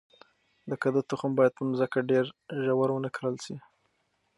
د کدو تخم باید په مځکه کې ډیر ژور ونه کرل شي.